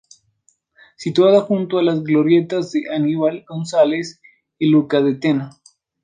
Situada junto a las glorietas de Aníbal González y Luca de Tena.